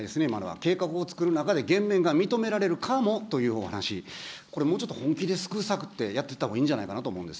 計画を作る中で減免が認められるかもという話、これもうちょっと本気で救う策って、やってったほうがいいんじゃないかと思うんです。